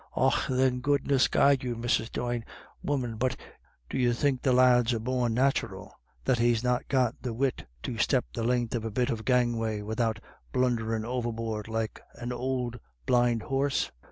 " Och then, goodness guide you, Mrs. Doyne, woman, but d'you think the lad's a born nathural that he's not got the wit to step the lenth of a bit of a gangway widout blundhcrin' overboard like an ould blind horse?